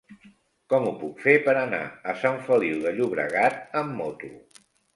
Com ho puc fer per anar a Sant Feliu de Llobregat amb moto?